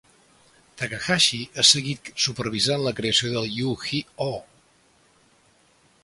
Takahashi ha seguit supervisant la creació de Yu-Gi-Oh!